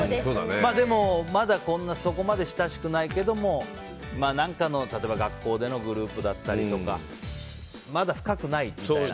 でも、まだそこまで親しくないけども何かの例えば学校でのグループだったりとかまだ深くないみたいな。